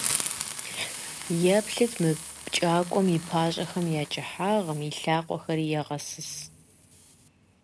Еплъыт мы пкӏауэм и пащӏэхэм я кӏыхьагъым, и лъакъуэхэри егъэсыс.